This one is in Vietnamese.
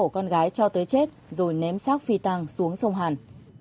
con gái cho tới chết rồi ném sát phi tăng xuống sông hàn